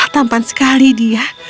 tampan sekali dia